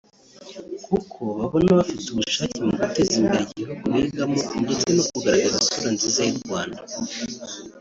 kuko babona bafite ubushake mu guteza imbere igihugu bigamo ndetse no kugaragaza isura nziza y’u Rwanda